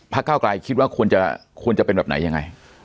พลักษณ์ก้าวกลายคิดว่าควรจะเป็นแบบไหนยังไง